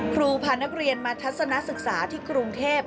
พานักเรียนมาทัศนศึกษาที่กรุงเทพ